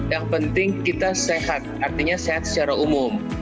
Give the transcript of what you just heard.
yang penting kita sehat artinya sehat secara umum